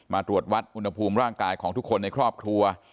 ตรวจวัดอุณหภูมิร่างกายของทุกคนในครอบครัว